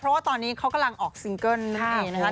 เพราะว่าตอนนี้เขากำลังออกซิงเกิ้ล๕คน